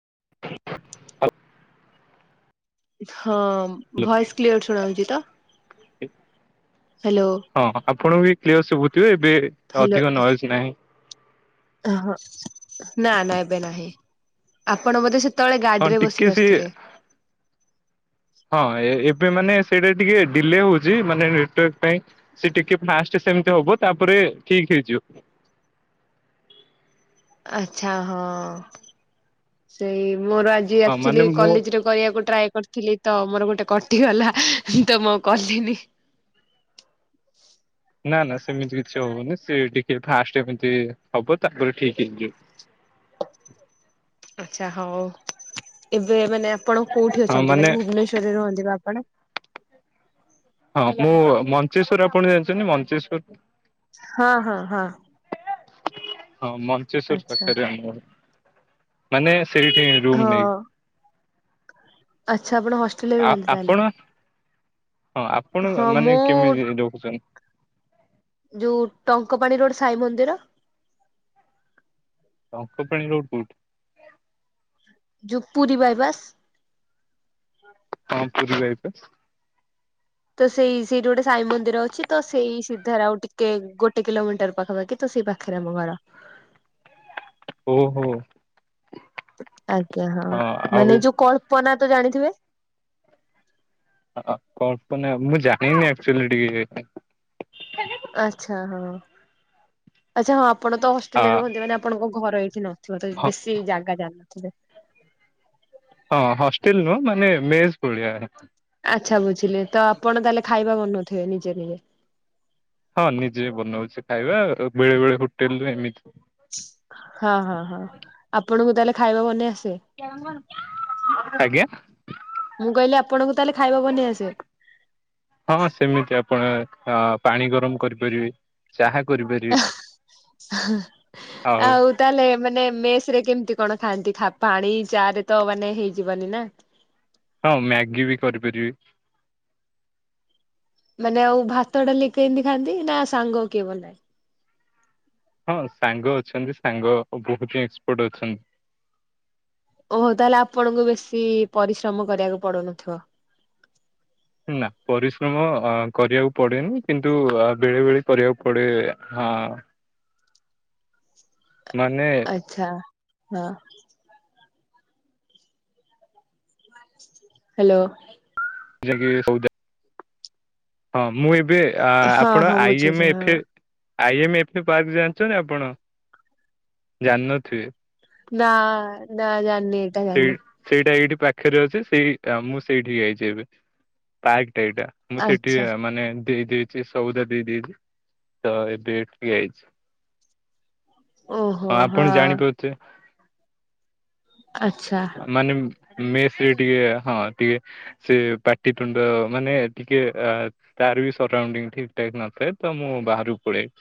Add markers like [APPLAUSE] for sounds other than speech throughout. [INAUDIBLE] ହଁ voice clear ଶୁଣାହୋଉଚି ତ? ଏ ହାଲୋ? ଆପଣଙ୍କୁ ବି କ୍ଲିୟର ଶଭୁଥିବେ ଏବେ ଅଧିକ ନଏଜ୍ ନାହିଁ। ଏ ହଁ ନା ନା ଏବେ ନାହିଁ ଆପଣ ମତେ ସେ ହଁ ଟିକେ ସିଏ ହଁ ଏ ଏବ୍ ଏବେ ମାନେ ସେଇଟା ଟିକେ ଡିଲେ ହୋଉଚି ମାନେ ନେଟୱାର୍କ ପାଇଁ ସିଏ ଟିକେ ଫାଷ୍ଟେ ସେମତି ହବ ତାପରେ ରେ ଠିକ ହେଇଯିବ। ଆଛା ହଁ ସେଇ ମୋର ଆଜି ହଁ ମାନେ ଆକଚୁଲି ମୁଁ କଲେଜରେ କରିବାକୁ ଟ୍ରାଏ କରିଥିଲି ତ ମୋର ଗୋଟେ କଟିଗଲା ତ ମୁଁ ଆଉ କଲିନି। [INAUDIBLE] ନା ନା ସେମିତି କିଛି ହବନି ସିଏ ଟିକେ ଫାଷ୍ଟେ ଏମିତି ହବ ତାପରେ ଠିକି ହେଇଯିବ। ଆଛା ହୋଉ ଏବେ ଏବେ ନେୟା ଆପଣ କୋଉଠି ଅଛନ୍ତି ମାନେ ଭୁବନେଶ୍ଵରରେ ରୁହନ୍ତି ପା ଆପଣ? ହଁ ମୁଁ ମଞ୍ଚେଶ୍ଵର ଆପଣ ଜାଣିଚନ୍ତି ମଞ୍ଚେଶ୍ୱର ହଁ ହଁ ହଁ। ହଁ ମଞ୍ଚେଶ୍ଵର ଆଚ୍ଛା ପାଖରେ ଆମ ଘର ମାନେ ସେଇଠି ରୁମ୍ ନେଇ ହଁ ଆଚ୍ଛା ଆପଣ ହଷ୍ଟେଲରେ ରୁହନ୍ତି ତାହେଲେ। ଆପଣ ହଁ ଆପଣଙ୍କ ହଁ ମାନେ ମୁଁ କେମିତି ରହୁଚନ୍ତି? ଯୋଉ ଟଙ୍କପାଣି ରୋଡ ସାଇ ମନ୍ଦିର ଟଙ୍କପାଣି ରୋଡ କୋଉଠି? ଯୋଉ ପୁରୀ ବାଇପାସ ହଁ ପୁରୀ ବାଇପାସ୍। ତ ସେଇ ସେଇଠି ଗୋଟେ ସାଇ ମନ୍ଦିର ଅଛି ତ ସେଇ ସିଧାରେ ଆଉ ଟିକେ ଗୋଟେ କିଲୋମିଟର ପାଖାପାଖି ତ ସେ ପାଖରେ ଆମ ଘର। ଓହୋ। ଆଜ୍ଞା ହଁ ମାନେ ଯୋଉ କଳ୍ପନା ତ ଜାଣିଥିବେ? ଅ-ଅ-କଳ୍ପନା ମୁଁ ଜାଣିନି ଆକଚୋଲି ଟିକେ ବି ଏତେ। ଆଚ୍ଛା ହଁ ଆଚ୍ଛା ହଁ ଆପଣ ତ ଆ ହଷ୍ଟେଲରେ ରୁହନ୍ତି ମାନେ ଆପଣଙ୍କ ଘର ଏଇଠି ନଅ ଥିବ ତ ହଁ ବେଶୀ ଜାଗା ଜାଣନଥିବେ। ହଁ ହଷ୍ଟେଲ ନୁହଁ ମାନେ ମେସ୍ ଭଳିଆ। ଆଚ୍ଛା ବୁଝିଲେ ତ ଆପଣ ତାହେଲେ ଖାଇବା ବନୋଉ ଥୁବେ ନିଜେ ନିଜେ? ହଁ ନିଜେ ବି ବନୋଉଛି ଖାଇବା ଆ-ବେଳେ ବେଳେ ହୋଟେଲରେ ଏମିତି ହଁ ହଁ ହଁ ଆପଣଙ୍କୁ ତାହେଲେ ଖାଇବା ବନେଇ ଆସ୍ ଆଜ୍ଞା? ମୁଁ କହିଲି ଆପଣଙ୍କୁ ତାହେଲେ ଖାଇବା ବନେଇ ଆସେ। ହଁ ହଁ ସେମିତି ଆପଣ ହଁ ପାଣି ଗରମ କରିପାରିବି ଚାହା କରିପାରିବେ ଆଉ ତାହେଲେ ମାନେ ମେସରେ କେମତି କଣ ଖାଆନ୍ତି ଖା-ପାଣି ଚାଆରେ ତ ମାନେ ହେଇଯିବନି ନା। ହଁ ମ୍ୟାଗି ବି କରିପାରିବି। ମାନେ ଆଉ ଭାତ ଡାଲି କେମତି ଖାଆନ୍ତି ନା ସାଙ୍ଗ କିଏ ବନାଏ। ହଁ ସାଙ୍ଗ ଅଛନ୍ତି ସାଙ୍ଗ ବୋହୁତ ହିଁ ଏକ୍ସପର୍ଟ ଅଛନ୍ତି। ଓହୋ ତାହେଲେ ଆପଣଙ୍କୁ ବେଶୀ ପରିଶ୍ରମ କରିବାକୁ ପଡୁନଥିବ? ନା ପରିଶ୍ରମ କରିବାକୁ ପଡେନି କିନ୍ତୁ ବେଳେ ବେଳେ କରିବାକୁ ପଡେ। ହଁ। ମାନେ ଆଚ୍ଛା ହଁ। ହ୍ୟାଲୋ। ଯେ କି ସଉଦା ହଁ ମୁଁ ଏବେ ହଁ ଆପଣ ହଁ ଆଇ ବୁଝୁଛି ଏମ ଏଫ ହଁ। ଆଇ ଏମ ଏଫ ପାର୍କ ଜାଣିଛନ୍ତି ଆପଣ? ଜାଣିନଥିବେ ନା ନା ଜା ସେଇ ସେଇଟା ଏଇଠି ପାଖରେ ଅଛି ସେଇ ମୁଁ ସେଇଠିକ ଯାଇଛି ଏବେ ପାକ୍ ଏଇଟା ମୁଁ ସେଠି ଆଚ୍ଛା ମାନେ ଦେଇ ଦେଇ ଛି ସଉଦା ଦେଇ ଦେଇଚି ତ ଏବେ ଏଠିକି ଆଇଛି। ହଁ ଆପଣ ଜାଣିପାରୁଥିବେ ଆଛା। ମେସ ରେ ଟିକେ ହଁ ଟିକେ ସେ ପାଟିିତୁଣ୍ଡ ମାନେ ଟିକେ ଆ ତାର ବି ସରାଉଣ୍ଡିଙ୍ଗ ଠିକ ଠାକ୍ ନଥାଏ। ତ ମୁଁ ବାହାରକୁ ପଳେଇ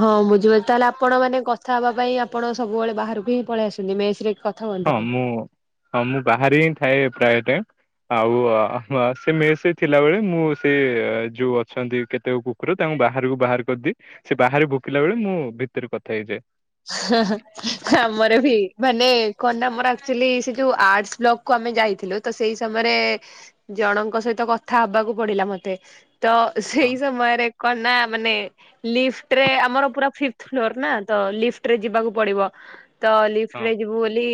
ହଁ ବୁଝିପାରୁଛି ତାହେଲେ ଆପଣ ମାନେ କଥା ହେବା ପାଇଁ ଆପଣ ସବୁବେଳେ ବାହାରକୁ ହିଁ ପଳେଇ ଆସନ୍ତି ମେସ ରେ କଥା ହଁ ହୁଅନ୍ତିନି? ମୁଁ ହଁ ମୁଁ ବାହାରି ହିଁ ଥାଏ ପ୍ରାୟ ଟାଇମ୍ ଆଉ ସେ ମେସରେ ଥିଲା ବଳେ ମୁଁ ସେ ଯୋଉ ଅଛନ୍ତି କେତେକ କୁକୁର ତାଙ୍କୁ ବାହାରକୁ ବାହାର କରିଦିଏ ସେ ବାହାରେ ଭୋକିଲା ବେଳେ ମୁଁ ଭିତରେ କଥା ହେଇଯାଏ। ଆମର ବି ମାନେ କଣନା ଆମର ଆକଚୁଆଲି ସେ ଯୋଉ ଆଟ୍ସ ବ୍ଲକକୁ ଆମେ ଯାଇଥିଲୁ ତ ସେଇ ସମୟରେ ଜଣଙ୍କ ସହିତ କଥା ହବାକୁ ପଡିଲା ମତେ ତ ହଁ ସେଇ ସମୟରେ କଣ ନା ମାନେ ଲିଫ୍ଟରେ ଆମର ପୁରା ଫିଫ୍ଥ୍ ଫ୍ଲୋର ନା ତ ଲିଫ ଟରେ ଯିବାକୁ ପଡିବ ତ ଲିଫ୍ଟ ହଁ ରେ ଯିବୁ ବୋଲି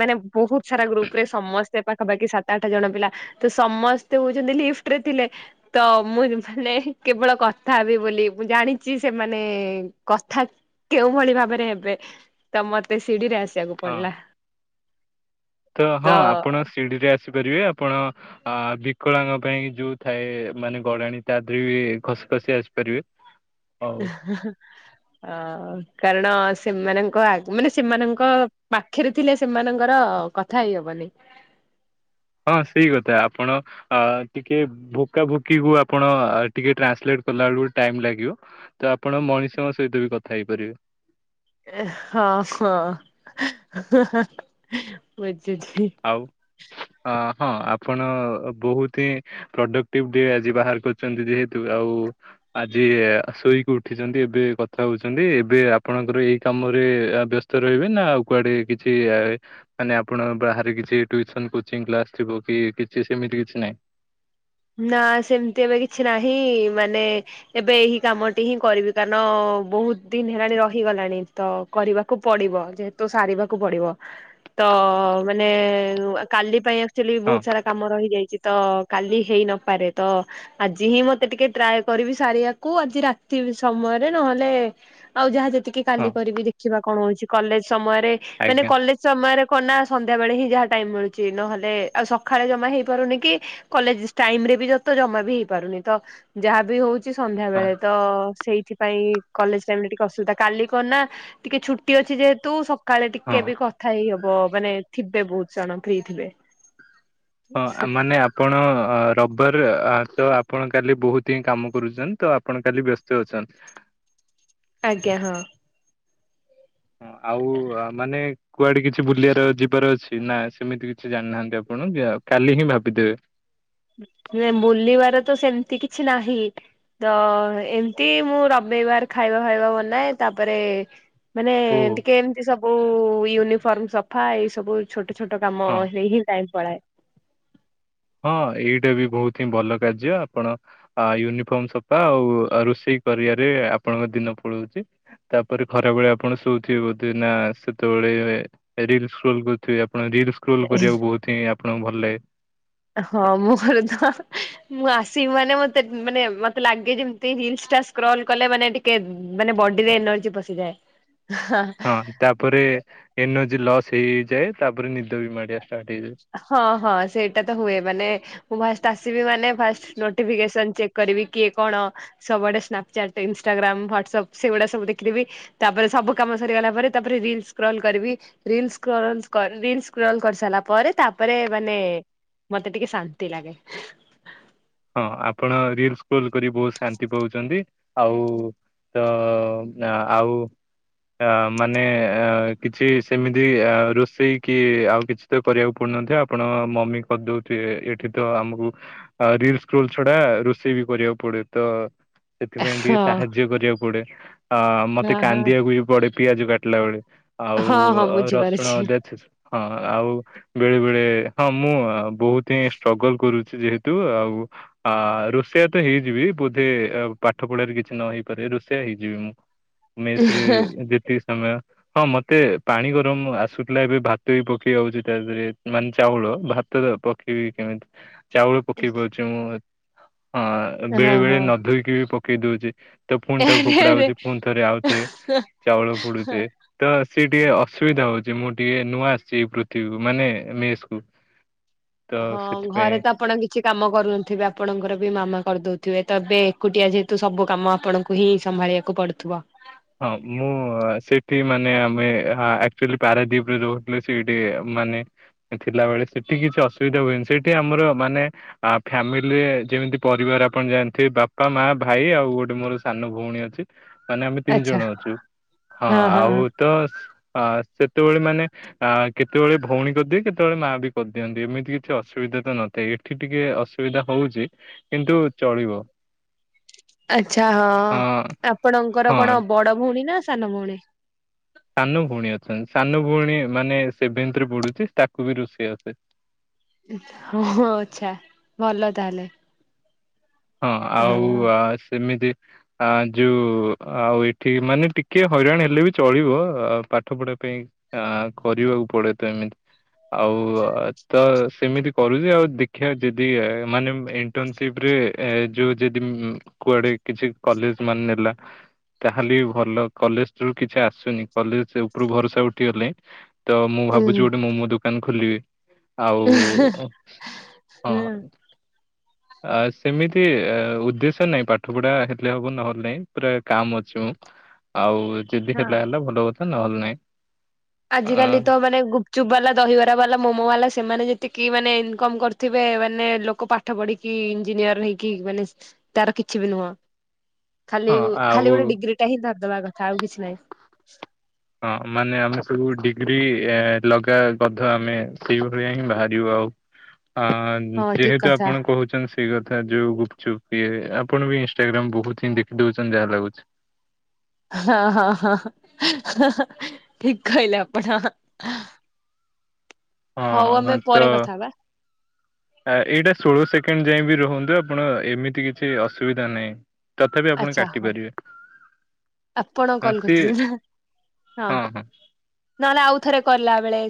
ମାନେ ବହୁତ ସାରା ଗ୍ରୁପ ରେ ସମସ୍ତେ ପାଖାପାଖି ସାତ ଆଠ ଜଣ ପିଲା ତ ସମସ୍ତେ ହଉଛନ୍ତି ଲିଫ୍ଟ ଫ୍ଟ ରେ ଥିଲେ ତ ମୁଁ ମାନେ କେବଳ କଥା ହେବି ବୋଲି ମୁଁ ଜାଣିଛି ସେମାନେ କଥା କେଉଁ ଭଳି ଭାବରେ ହେବେ ତ ମତେ ଶିଡିିରେ ଆସିବାକୁ ହଁ ପଡିଲା। ତ ହଁ ଆପଣ ଶିଡିିରେ ଆସ ଖ ପାରିବେ ଆପଣ ଆ ବିକଳାଙ୍ଗ ପାଇଁ ଯୋଉ ଥାଏ ମାନେ ଗଡାଣି ତା ଦେହରେ ବି ଖସ୍ ବସି ଆସିପାରିବେ ହଉ ହ କାରଣ ସେ ସେମାନଙ୍କ ଆ ମାନେ ସେମାନଙ୍କ ପାଖରେ ଥିଲେ ସେମାନଙ୍କର କଥା ହେଇ ହବନି [INAUDIBLE] ହଁ ସେଇ କଥା ଆପଣ ଟିକେ ଭୋକା ଭୋକି କୁ ଆପଣ ଟିକେ ଟ୍ରାନ୍ସଲେଟ କଲା ବେଳକୁ ଟାଇମ ଲାଗିବ ତ ଆପଣ ମଣିଷଙ୍କ ସହିତ ବି କଥା ହେଇପାରିବେ। ହଁ ହଁ ବୁଝିଲି। ଆଉ ଅ ହଁ ଆପଣ ବହୁତ ହିଁ ପ୍ରଡକ୍ଟିଭ ଡେ ଆଜି ବାହାର କରୁଛନ୍ତି ଯେହେତୁ ଆଉ ଆଜି ଶୋଇକି ଉଠିଛନ୍ତି ଏବେ କଥା ହଉଛନ୍ତି ଏବେ ଆପଣଙ୍କର ଏଇ କାମ ମୋରେ ଆ ବ୍ୟସ୍ତ ରହିବେ ନା ଆଉ କୁଆଡେ କିଛି ମାନେ ଆପଣ ବା ହା କିଛି ଟିଉସନ କୋଚିଂ କ୍ଲାସ ଥିବ କି କିଛି ସେମିତି କିଛି ନାହିଁ। ନା ସେମିତି ଏବେ କିଛି ନାହିଁ ମାନେ ଏବେ ଏହି କାମଟି ହିଁ କରିବି କାରଣ ବହୁତ ଦିନ ହେଲାଣି ରହିଗଲାଣି ତ କରିବାକୁ ପଡିବ ଯେହେତୁ ସାରିବାକୁ ପଡିବ। ତ ମାନେ କାଲି ପାଇଁ ଆକ୍ଚୁଆଲି ହଁ ବହୁତ ସାରା କାମ ରହିଯାଇଛି ତ କାଲି ହେଇ ନପାରେ ତ ଆଜି ହିଁ ମତେ ଟିକେ ଟ୍ରାଏ କରିବି ସାରିଆକୁ ଆଜି ରାତି ସମୟରେ ନ ଲେ ଆଉ ଯାହା ଯେ ଟିକେ ହଁ କାଲି କରିବି ଦେଖିବା କଣ ହଉଛି କଲେଜ ସମୟରେ ମାନେ ଆଜ୍ଞା କଲେଜ ସମୟରେ କଣନା ସନ୍ଧ୍ୟା ବେଳେ ହିଁ ଯାହା ଟାଇମ ମିଳୁଛି। ନହେଲେ ଆଉ ସଖାଳେ ଜମା ହେଇପାରୁନି କି କଲେଜ ଟାଇମ ରେ ବି ଯତ ଜମା ବି ହେଇପାରୁନି ତ ଯାହାବି ହଉଛି ସନ୍ଧ୍ୟା ହଁ ବେଳେ ତ ସେଇ ସେଥିପାଇଁ କଲେଜ ଟାଇମ ରେ ଟିକେ ଅସୁବିଧା କାଲି କଣନା ଟିକେ ଛୁଟି ଅଛି ଯେହେତୁ କାଳେ ହଁ ଟିକେ ବି କଥା ହେଇ ହବ ମାନେ ଥିବେ ବହୁତ ଜଣ ଫ୍ରି ଥିବେ। ହଁ ମାନେ ଆପଣ ଅ ରବାରେ ଆ ତ ଆପଣ କାଲି ବହୁତ ହିଁ କାମ କରୁଚନ୍ ତ ଆପଣ କାଲି ବ୍ୟସ୍ତ ଅଛନ୍। [INAUDIBLE] ଆଜ୍ଞା ହଁ। ହଁ ଆଉ ମାନେ କୁଆଡେ କିଛି ବୁଲିଆର ଯିବାର ଅଛି ନା ସେମିତି କିଛି ଜାଣିନାହାନ୍ତି ଆପଣ ଯ କାଲି ହିଁ ଭାବିଦେବେ। ନା ବୁଲିବାର ତ ସେମିତି କିଛି ନାହିଁ। ତ ଏମିତି ମୁଁ ରବିବାର ଖାଇବା ଫାଇବା ବନାଏ ତାପରେ ମାନେ ଓ ଟିିକେ ଏମତି ସବୁ ୟୁନିଫର୍ମ ସଫା ଏଇ ସବୁ ଛୋଟ ଛୋଟ କାମ ହଁ ହେଇ ହିଁ ଟାଇମ ପଳାଏ। ହଁ ଏଇଟା ବି ବହୁତ ହିଁ ଭଲ କାର୍ଯ୍ୟ ଆପଣ ଅ ୟୁନିଫର୍ମ ସଫା ଆଉ ରୋଷେଇ କରିବାରେ ଆପଣଙ୍କ ଦିନ ପଳଉଚି, ତାପରେ ଖରାବେଳେ ଆପଣ ଶୋଉଥିବେ ବୋଧେ ନା ସେତେବେଳେ ବେଳେ ରିଲ୍ସକ୍ରୁଲ କରୁଥିବେ, ଆପଣ ରିକ୍ସ ସ୍କୁଲ୍ କରିବାକୁ ବହୁତ ହିଁ ଆପଣଙ୍କୁ ଭଲ ଲାଗେ। ହଁ ମୋର ତ ମୁଁ ଆସିବି ମାନେ ମତେ ମାନେ ମତେ ଲାଗେ ଯେମତି ହିଲ୍ସ ଟା ସ୍କଲ୍ କଲେ ମାନେ ଟିକେ ମାନେ ବଡିରେ ଏନର୍ଜି ପଶିଯାଏ। ହଁ ତାପରେ ଏନର୍ଜି ଲସ୍ ହେଇ ହେଇ ଯାଏ, ତାପରେ ନିଦ ବି ମାଡେ। ହଁ ହଁ ସେଇଟା ତ ହୁଏ ମାନେ ମୁଁ ଫାଷ୍ଟ ଆସ୍ ସିବି ମାନେ ଫାଷ୍ଟ ନୋଟିଫିକେସନ ଚେକ୍ କରିବି କିଏ କଣ ସବୁଆଡେ ସ୍ନାପଚାଟ ଇନଷ୍ଟାଗ୍ରାମ ଭର୍ତୀ ସବସେ ବଡା ସବୁ ଦେଖିଦେବି ତାପରେ ସବୁ କାମ ସରିଗଲା ପରେ ତାପରେ ରିଲ ସ୍କ୍ରଲ୍ କରିବି reel scroll scroll reels scroll କରି ସାରିଲା ପରେ ତାପରେ ମାନେ ମତେ ଟିକେ ଶାନ୍ତି ଲାଗେ। ହଁ ଆପଣ ରିଲ୍ସ ସ୍କ୍ରଲ କରି ବହୁତ ଶାନ୍ତି ପାଉଛନ୍ତି ଆଉ ତ ଆଉ ଅ ମାନେ ଅ କିଛି ସେମିତି ଅ ରୋଷେଇ କି ଆଉ କିଛି ତ କରିବାକୁ ପଡ ଆପଣ ମମି କରିଦଉଥିବେ। ଏଠି ତ ଆମକୁ ରି ସ୍କୁଲ ଛଡା ରୋଷେଇ ବି କରିବାକୁ ପଡେ। ତ ସେଥିପାଇଁ ହଁ ଟିକେ ସାହାଯ୍ୟ କରିବାକୁ ପଡେ। ଅ ମତେ ହଁ ହଁ କାନ୍ଦିବାକୁ ବି ପଡେ ପିଆଜ କାଟିଲା ବେଳେ। ଆଉ ହଁ ହଁ ରସୁଣ ବୁଝିପାରୁଛି। ଅଦା ଛେଚୁ। ହଁ ଆଉ ବେଳେ ବେଳେ ହଁ ମୁଁ ବହୁତ ହିଁ ଷ୍ଟ୍ରଗଲ କରୁଛି। ଯେହେତୁ ଆଉ ଆ ରୋଷିଆ ତ ହେଇଯିବି। ବୋଧେ ପାଠ ପଢାରେ କିଛି ନ ହେଇପାରେ ରୋଷିଆ ହେଇଯିବି ମୁଁ। ମେଶ୍ ରେ ଜେତି ଆମେ ହଁ ମତେ ପାଣି ଗରମ ଆସୁଥିଲା। ଏବେ ଭାତ ବି ପକେଇ ଆଉଛି ତା ଦେହରେ ମାନେ ଚାଉଳ। ଭାତ ପକେଇବି କେମତି ଚାଉଳ ପକେଇବ। ଅ, ଆ, ହଁ ବେଳେ ବେଳେ ନଧୋଇକି ବି ପକେଇ ଦଉଚି। ତ ଫୁଣି ତାକୁ ଆରେ ଫୋପଡା ଆରେ ହଉଛି ଫୁଣି ଥରେ ଆଉଥରେ ଚାଉଳ ହଁ। ପୁଡୁଛି ତ। ସେ ଟିକେ ଅସୁବିଧା ହଉଚି ମୁଁ ଟିକେ ନୂଆ ଆସିଚି ଏଇ ପୃଥିବୀକୁ ମାନେ ମେସ୍ କୁ। ତ ହଁ ଘରେ ସେଥିପାଇଁ ତ ଆପଣ କି କିଛି କାମ କରୁନଥିବେ ଆପଣଙ୍କର ବି ମାମା କରିଦଉଥିବେ ତ ଏବେ ଏକୁଟିଆ ଯେହେତୁ ସବୁ କାମ ଆପଣଙ୍କୁ ହିଁ ସବ୍। ସମ୍ଭାଳିବାକୁ ପଡୁଥିବ ହଁ ମୁଁ ସେଠି ମାନେ ଆମେ ଆକ୍ଚୁଆଲି ପାରାଦୀପରେ ରହୁଥିଲୁ ସେଠି ମାନେ ଥିଲାବେଳେ ସେଠି କିଛି ଅସୁବିଧା ହୁଏନି ସେଠି ଆମର ମାନେ ଆ ଫ୍ୟାମିଲିରେ ଯେମିତି ପରିବାର ଆପଣ ଜାଣିଥିବେ ବାପା ମା ଭାଇ ଆଉ ଗୋଟେ ମୋର ସାନ ଭଉଣୀ ଅଛି ମାନେ ଆମେ ତିନି ଆଚ୍ଛା ଜଣ ଅଛୁ ହଁ ଆଉ ତ ଅ ସେତେବେଳେ ମାନେ ଅ କେତେବେଳେ ଭଉଣୀ କରିଦିଏ କେତେବେଳେ ମା ବି କରିଦିଅନ୍ତି ଏମିତି କିଛି ଅସୁବିଧା ସୁଧା ତ ନଥାଏ ଏଠି ଟିକେ ଅସୁବିଧା ହଉଚି କିନ୍ତୁ ଚଳିବ। ଆଛା ହଁ ଆପଣଙ୍କର ହଁ କଣ ବଡ ଭଉଣୀ ନା ସାନ ଭଉଣୀ? ସାନ ଭଉଣୀ ଅଛନ୍ତି ସାନ ଭଉଣୀ ମାନେ ସେଭେନ୍ତ୍ ରେ ପଡୁଛି ତାକୁ ବି ରୋଷେଇ ଆସେ। ହ ଆଛା ଭଲ ତାହଲେ। ହଁ ଆଉ ଆ ସେମିତି ଆ ଯଉ ଆଉ ଏଠି ମାନେ ଟିକେ ହଇରାଣ ହେଲେ ବି ଚଳିବ ଆ ପାଠ ପଢା ପାଇଁ ଆ କରିବାକୁ ପଡେ ତ ଏମିତି ଆଉ ତ ସେମିତି କରୁଚି ଆଉ ଦେଖିବା ଯଦି ମାନେ ଇଣ୍ଟରନସିପ ରେ ଏ ଯୋଉ ଯଦି ଉଁ ଉଁ କୁଆଡେ କିଛି କଲେଜ ମାନେ ନେଲା ତାହେଲେ ଭଲ କଲେଜ ରୁ କିଛି ଆସୁନି କଲେଜ ଉପରୁ ଭରସା ଉଠିଗଲାଇଁ। ତ ମୁଁ ଉଁ ଭାବୁଚି ଗୋଟେ ମୋମୋ ଦୋକାନ ଖୋଲିବି। ଆଉ ହଁ ହଁ। ଆ ସେମିତି ଉଦ୍ଦେଶ୍ୟ ନାଇଁ ପାଠ ପଢା ହେଲେ ହବ ନହେଲେ ନାହିଁ ପୁରା କାମ ଅଛି ମୁଁ। ଆଉ ଯଦି ହଁ ହେଲା ହେଲା ଭଲ କଥା ନହେଲେ ନାଇଁ। ଆଜିକାଲି ତ ମାନେ ଗୁପ୍ ଚୁପ ବାଲା ଦହିବରା ବାଲା ମୋମୋ ବାଲା ସେମାନେ ଯେତିକି ମାନେ ଇନକମ୍ କରିଥିବେ ମାନେ ଲୋକ ପାଠ ପଢିକି ଇଞ୍ଜିନିୟର ହେଇକି ମାନେ ତାର କିଛି ବି ନୁହଁ। ଖାଲି ହଁ ଆଉ ଖାଲି ଗୋଟେ ଡିଗ୍ରୀ ଟା ହିଁ ଧରିଦବା କଥା ଆଉ କିଛି ନାହିଁ। ହଁ ମାନେ ଆମେ ସବୁ ଡିଗ୍ରୀ ଏ ଲଗା ଗଧ ଆମେ ସେଇ ଭଳିଆ ହିଁ ବାହାରିବୁ ଆଉ। ଅ ହଁ ଠିକ ଯେହେତୁ କଥା ଆପଣ କହୁଚନ୍ତି ସେଇ କଥା ଯୋଉ ଗୁପଚୁପ୍ ଇଏ ଆପଣ ବି ଇନସଷ୍ଟାଗ୍ରାମ ବହୁତ ହିଁ ଦେଖି ଦଉଚନ୍ତି ଯାହା ଲାଗୁଚି। [INAUDIBLE] ହଁ ହଁ ହଁ ଠିକ କହିଲେ ଆପଣ। ହଉ ହଁ ଆମେ ତ ପରେ କଥା ହବା ଏଇଟା ଷୋଳ ସେକେଣ୍ଡ ଯାଇ ବିି ରୁହନ୍ତୁ ଆପଣ ଏମିତି କିଛି ଅସୁବିଧା ନାହିଁ। ତଥାପି ଆପଣ ଆଚ୍ଛା କାଟି ହଁ ପାରିବେ। ଆପଣ ହଁ କଲ ସିଏ କରିଥିଲେ ନା, ହଁ ନହେଲେ ଆଉ ଥରେ କଲା ବେଳେ